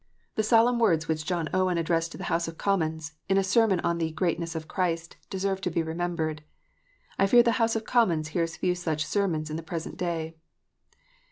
The solemn words which John Owen APOSTOLIC FEARS. 30 7 addressed to the House of Commons, in a sermon on the "Greatness of Christ," deserve to be remembered. I fear the House of Commons hears few such sermons in the present day.